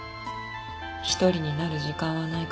一人になる時間はないか